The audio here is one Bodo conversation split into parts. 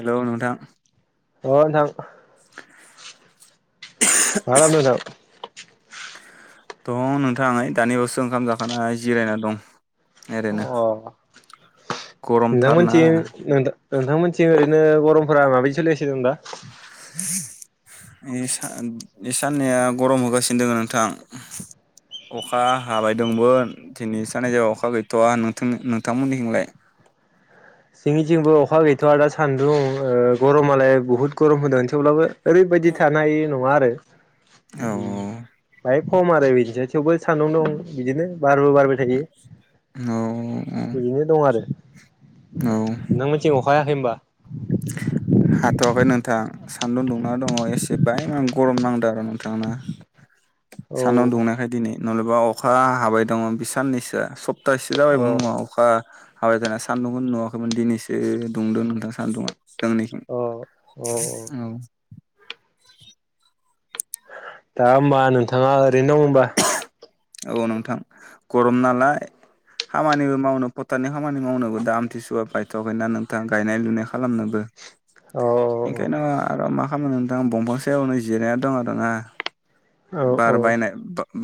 हेलौ नोंथां अ नोथां मा खालामदो नोंथां? दं नोंथां ओइ दानि बावसो ओंखाम जाखांना जिरायना दं। अ ओरैनो नों गरमथारना मोनथियो [unintelligible] नोंथांमोनथिं ओरैनो गरमफोरा माबायै सोलिगासिनो दं दा? [inaudible] इ सा इ साननैया गरम होगासिनो दङ नोंथां अखा हाबाय दंमोन दिनै साननै जाबा अखा गैथ'वा नोंथां नोंथांमोननि थिंलाय? जोंनिथिंबो अखा गैथ'वआ दा सान्दुं ओ गरमालाय बहुत गरम होदों थेवब्लाबो ओरैबायदि थानाय नङा आरो औ बाय खम आरो बिथिंजाय। थेवबो सान्दुंनो दं बिदिनो बारबो बारबाय थायो औ औ बिदिनो दं आरो नों मोनथि अखायाखै ओमबा? हाथ'याखै नो थां सान्दुं दुंना दङ एसे ब मान गरम नांदो आरो ना नोंथां ना? सानाव औ दुंनायखाय दिनै नलेबा अखा हाबाय दङ बि साननैसोआ सब तासे जाबायमोन हा अखा हाबाय थानाया सान्दुंखौ दुङाखैमोन दिनैसो दुंदों नोंथां सान्दुङा। जोंनिखिं अ अ औ दा ओमबा नोंथाङा ओरैनो दं ओमबा? औ नोंथां गरम नालाय खामानिबो मावनो फथतनि खामानि मावनोबो दा आमथिसुवआ बायथ'वाखैना नोंथां गायनाय लुनाय खालामनोबो। औ इं खायनो आरो मा खामनो नोंथां दंफांसायावनो जिराया दं आर ना औ बार औ बायनाय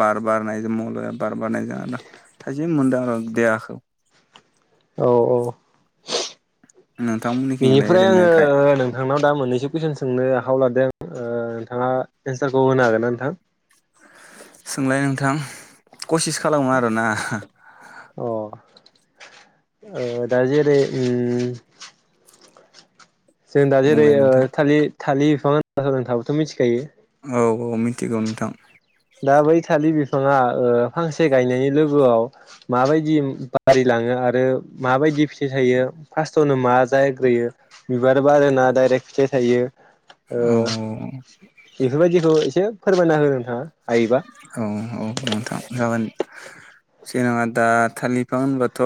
बार बारनाय। [unintelligible] बार बारजों थाजिम मोनदो आरो देहाखौ नोंथांमोननिथिंलाय बिनिफ्राय ओरैनो गाय आङो नोंथांनाव दा मोननैसो कुइसन सोंनो आखायाव लादों। ओ नोंथाङा एन्सारखौ होनो हागोन ना नोंथां? सोंलाय नोंथां। कसिस खालामो आरोना? अ ओ दा जेरै उम जों दा जेरै बुंलाय ओ नोंथां थालिर थालिर बिफां [unintelligible] थाबाथ मिथिखायो। औ औ मिथिगौ नोंथां। दा बै थालिर बिफाङा ओ फांसे गायनायनि लोगोआव माबायदि बारिलाङो आरो माबायदि फिथाइ थायो फास्टआवनो मा जाग्रोयो बिबार बारोना दडाइरेक्ट फिथाइ थायो? ओ औ बेफोर बायदिखौ एसे फोरमायना हो नोंथाङा। हायोबा औ औ नोंथां जागोन। जेनाङा दा थालिर बिफां होनबाथ'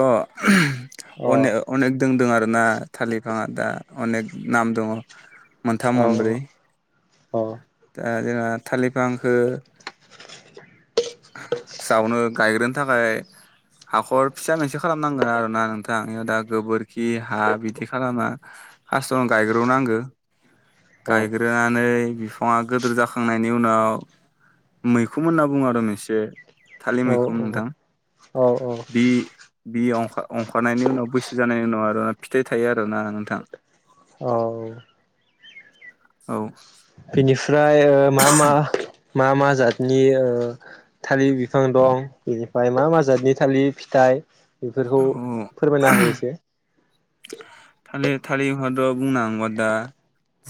अनेक अ अनेक दोंदों आरो ना थालिर बिफां आ‌ दा अनेक नाम दङ मोनथाम मोनब्रै अ ओ जोंहा थाललिर आंखो सावनो गायग्रोन थाखाय हाखर फिसा मोनसे खालामनांगोन आरो ना नोंथां इयाव दा गोबोरखि हा बिदि खालामा फार्स्टआव गायग्रोनांगो गायग्रोनानै बिफाङा गोदोर जाखांनायनि उनाव मैखोम होनना बुङो आरो एसे थालिर औ मैखोम औ नोंथां औ औ बि बि अंखा अंखारनायनि उनाव बैसो जानायनि उनाव आरो फिथाइ थाया- ना नोंथां औ औ बेनि- फ्राय ओ मा मा मा मा जातनि थालिर बिफां दं बेनिफ्राय मा मा जादनि थालिर फिथाइ बेफोरखौ औ फोरमायना होयो इसे थालिर थालिर होनना बुंनांगौबा दा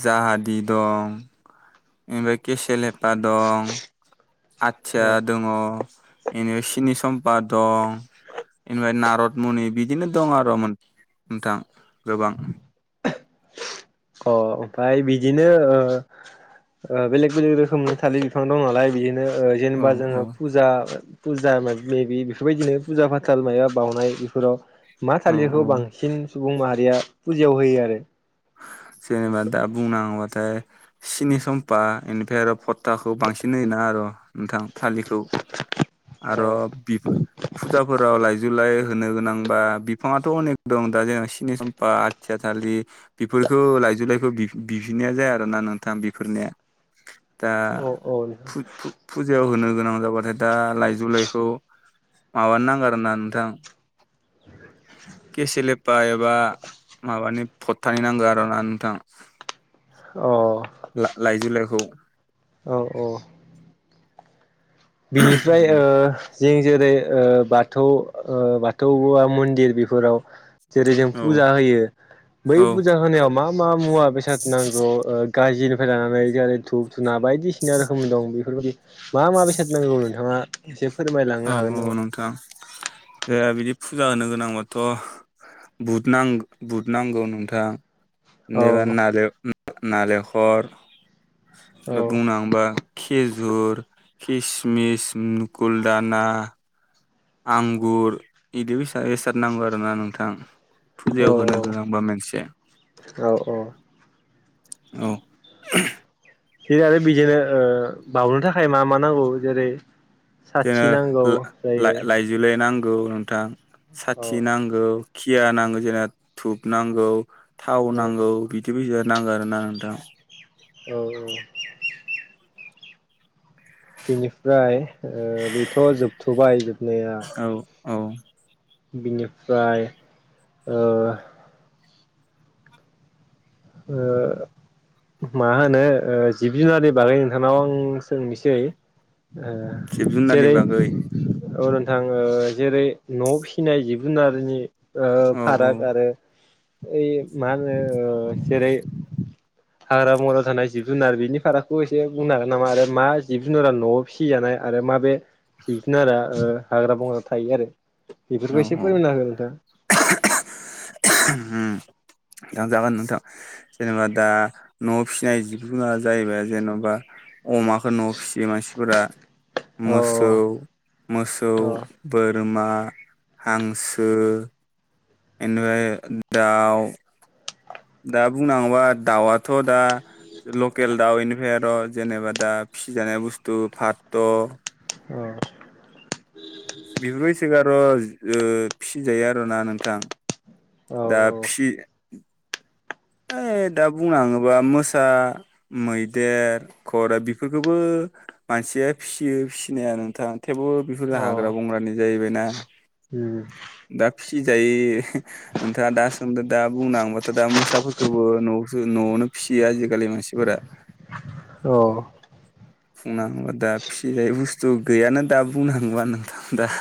जाहादि दं ओनिफ्राय केसेेल हेफा दं आथिया अ दङ इनिफाय सिनि समम्पा दं इनिफाय नारदमुनि बिदिनो दं आरो नोंथां गोबां अ ओमफ्राय बिदिनो ओ ओ बेलेग बेलेग रोखोमनि थालिर बिफां दं नालाय बिदिनो औ जेनेबा औ जोङो फुजा फुजा मायबा मायबि बेफोरबायदिनो फुजा फाथाल माबा बाउनाय बेफोराव मा औ थालिरखौ औ बांसिन सुबुं माहारिया फुजायाव होयो आरो जेनेबा दा बुंनाङोबाथाय सिनि सम्फा इनिफाय आरो भटाखौ बांसिन होयोना आरो नोंथां थालिखौ आरो अ बि फुजाफोराव लाइ जुलाय होनो गोनांबा बिफाङाथ अनेक दं दा जेन सिनि सम्फा आथिया थालि- बेफोरखौ लाइजुलाइखौ बि बिफिनाया जाया आरोना नोंथां बेफोरनिया दा औ फु फु फुजायाव होनो गोनां जाबाथाय दा लाइजुलाइखौ माबानो नांगो आरोना नोंथां केसेलेप बा एबा माबानि फत थाय नांगो आरोना नोंथां। अ ला लाइजुलाइ खौ औ औ बिनिफ्राय ओ जों जेरै ओ बाथौ ओ बाथौवा मन्दिर बेफोराव जेरै जों औ फुजा होयो बै औ फुजा होनायाव मा मा मुवा बेसाद नांगौ ओ गाजिनिफ्राय लानानै जेरै धुप धुना बायदिसिना रोखोमनि दं बेफोरबायदि माबा माबि [unintelligible] नोंथाङा एसे औ फोरमायलांनो हागोन औ नामा? नोंथां जे बिदि फुजा होनो गोनांबाथ' बुट नां बुट नांगौ नोंथां औ नोबा नारेब नालेखर औ बुंनांबा खेजुर खिसमिस मुगुलदाना आंगुर बिदि बेसा बेसाद नांगौ आरोना नोंथां फुजायाव होनो औ गोनांबा मोनसे औ औ औ बे आरो ओ बिदिनो बाउनो थाखाय मा मा नांगौ जेरै जोङो साथि नांगौ ला जायो लाइजौ लाइ नां गौ नोंथां औ साथि नांगौ खिया नांगौ जेनेबा धुप नांगौ थाव औ नांगौ बिदि बियाद नांगो आरो ना नोंथां। औ औ बिनिफ्राय ओ बेथ' जोबथ'बाय जोबनाया औ औ बिनिफ्राय ओ ओ मा होनो ओ जिब जुनार बागै नोंथांनाव आं सोंनोसै ओ जिब जुनारनि जेरै बागै अरन आङो जेरै न' फिसिनाय जिब-जुनारनि। ओ औ फाराग आरो। ओइयो मा होनो। जेरै -हाग्रा-बंग्रायाव थानाय जिब-जुनार बेनि फारागखौ एसे बुंनो हागोन नामा? आरो मा जिब-जुनारा न'आव फिसिजानाय आरो माब बेे जिब-जुनारा ओ हाग्रा-बंग्राायाव थायो आरो। औ बेफोरखो एसे औ फोरमायना हो नोंथाङा। ओम खोनथा जागोन नोथां जेनेबा दा न' फिसिनाय जिब-जुनार जाहैबाय जेन'बा अमाखौ न'आव फिसियो मानसिफोरा। औ मोसौ, मोसौ, औ बोरमा। हांसो, एनिफाय दाउ। दा बुंना हाङोबा दाउआथ' दा लकेल दाउ एनिफ्राय आर' जेनेबा दा फिसिजानाय बुस्थु फात'। बेनिफ्राय बेफोर बायसिखौ आर' ओ फिसिजायो आर' ना नोंथां। दा‌ फिसि। ओइ दा बुंनो थाङोबा मोसा, मैदेर, घराइ बेफोरखौबो मानसिया फिसियो फिसिनाया नोंथां। थेवबो बेफोर हाग्रा-बंग्रानि जाहैबायना दा फिसिजायो नोंथाङा दा सोंदों दा बुंनो थाङोबाथ' दा मोसाफोरखौ। खोबो न'आवसो -न'आवनो फिसियो आजिखालि मानसिफोरा। बुंनो हाङोबा दा फिसिजायै बुस्थु गैयानो दा बुंनो हाङोबा नोंथां दा।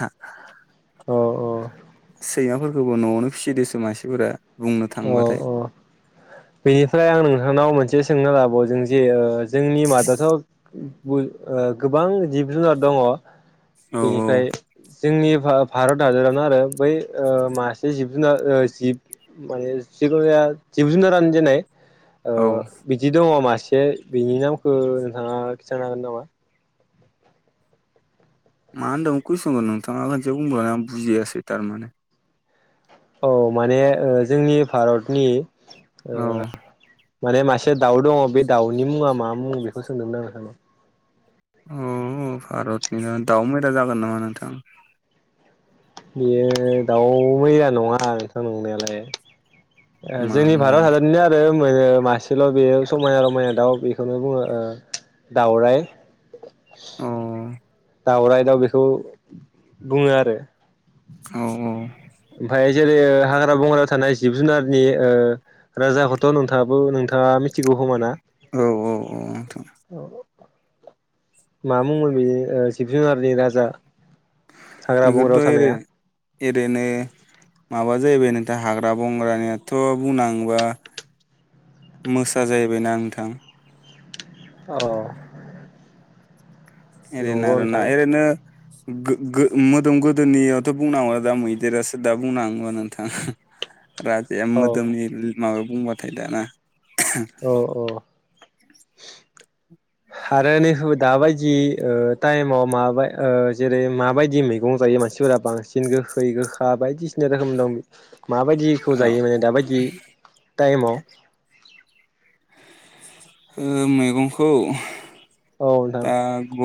सैमाफोरखौबो न'आवनो फिसिदोंसो मानसिफोरा बुंनो थाङोबाथाय। बेनिफ्राय आं नोंथांनाव मोनसे सोंनो लाबावदों जे। जोंनि मादावथ'। बुय ओ गोबां जिब-जुनार दङ। औ औ बेनिफ्राय। जोंनि भा-भारत हादरावनो आरो बै ओ मासे जिब-जुनार ओ जिब माने जिुखुनो जाया जिब-जुनारानो। दिनै। ओ औ बिदि दङ मा। एसे बिनि नामखौ नोंथाङा खिन्थानो हागोन नामा? मा होनदों कुइसनखौ नोंथाङा खनसे बुंबावनाय आं बुजियासै तारमाने। औ माने ओ जोंनि भारतनि। औ। माने मासेया दाउ दङ बे दाउनि मुङा मा मुं? बेखौ सोंदोंमोन आ नोंथांनाव। अ-अ भारतनिनो दाउ मैला जागोन नामा नोंथां? बेयो दाउ मैना नङा नोंथां नंनायालाय। ओ मा जोंनि होनलाय भारत नोंथां हादरनि आरो। मोनो मासेल' बेयो समायना-रमायना दाउ बेखौनो बुङो ओ दाउराइ। अ। दाउराइ दाउ बेखौ बुङो आरो। औ-औ। ओमफाय जेरै हाग्रा-बंग्रायाव थानाय जिब-जुनारनि ओ राजाखौथ' नोंथाङाबो नोंथाङा मिथिगौ खोमा ना? औ औ औ नोंथां औ। मा मुंमोन बिनि ओ जिब-जुनारनि राजा? बेखौथ' हाग्रा-बंग्रायाव ओरै थानाया। ओरैनो माबा जाहैबाय नोंथां हाग्रा बंग्रा नियाथ' बुंनाङोबा मोसा जाहैबायना नोंथां औ एरैनो आरोना एरैनो गो गो मोदोम गोदोनियावथ' बुंनांगौ दा मैदेरासो दा बुंनांगौ नोंथाङा राज ए म औ मोदोमनि मा बुंबाथाय दाना औ औ आरो नै दाबायदि टाइमाव मा जेरै माबायदि मैगं जायो मानसिफोरा बांसिन गोखै गोखा बायदिसिना रोखोम दं। माबायदिखौ ओ जायो माने दाबायदि टाइमाव मैगंखौ औ नोंथां दा ग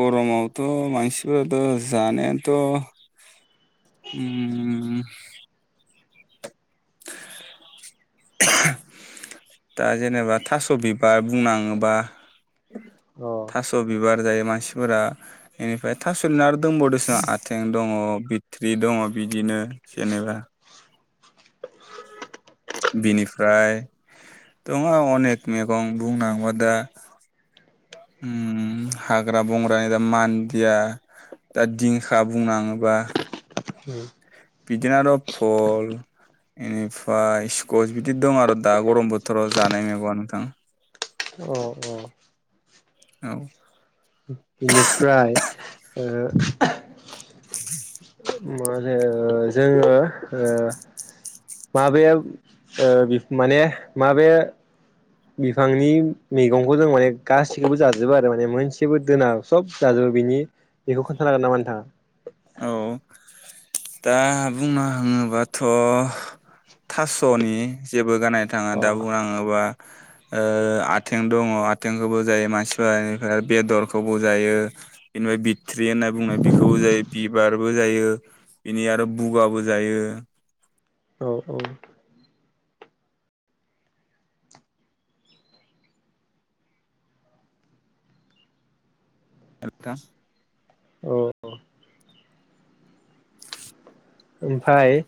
गरमावथ' मानसिफ्राथ' जानायाथ' होम दा जेनेबा थास' बिबार बुंनाङोबा अ थास' बिबार जायो मानसिफोरा बेनिफ्राय थास'लिनार दंबावोसो आथिं दङ बिथ्रि दङ बिदिनो जेनेबा बिनिफ्राय दङ अनेख मैगं बुंनाङोबा दा हाग्रा बंग्रानि दा मान्दिया दा दिंखा बुंनाङोबा औ बिदिनो आरो' फल इनिफ्राय स्किस बिदि दं आरो दा गरम बोथोराव जानाय मैगंआ नोंथां दा औ औ औ बेनिफ्राय ओ [inaudible] माहोनो जोङो माबे माने माबे बिफांनि मैगंखौ जों माने गासिखौबो जाजोबो आरो माने मोनसेबो दोना सब जाजोबो बेनि बेखौ खोन्थानो हागोन नामा नोंथाङा? औ दा बुंनो थाङोबाथ' थास'नि जे बोगारनो थाङा अ दा बुंनो थाङोब्ला आथिं दङ आथेंखौबो जायो मानसिफोरानिफ्राय बेदरखौबो जायो बेनिफ्राय बिथट्रि होनना बुंनाय बेखौबो जायो बिबारबो जायो बिनि आरो बुगाबो जायो औ औ हेल' नोंथां औ ओमफ्राय